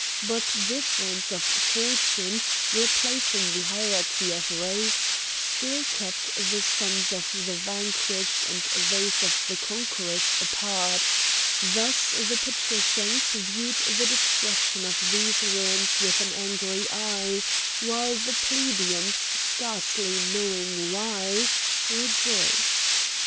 But difference of fortune, replacing the hierarchy of race, still kept the sons of the vanquished and those of the conquerors apart; thus the patricians viewed the destruction of these ruins with an angry eye, while the plebeians, scarcely knowing why, rejoiced.